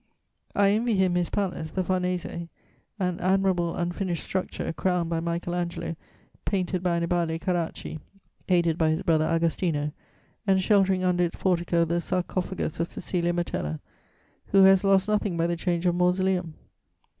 I envy him his palace (the Farnese), an admirable unfinished structure, crowned by Michael Angelo, painted by Annibale Carracci, aided by his brother Agostino, and sheltering under its portico the sarcophagus of Cæcilia Metella, who has lost nothing by the change of mausoleum.